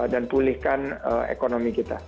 dan pulihkan ekonomi kita